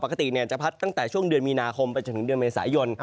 ปกติจะพัดตั้งแต่ช่วงเดือนมีนาคมไปจนถึงเดือนเมษายน